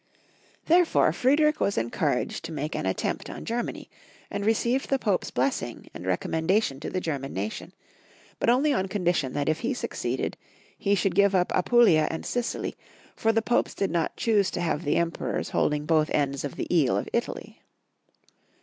Therefore Friedrich was encouraged to make an attempt on Germany, and received the Pope's bless ing and recommendation to the German nation, but only on condition that if he succeeded he should give up Apulia and Sicily, for the Popes did not choose to have the Emperoi's holding both ends of the eel of Italy.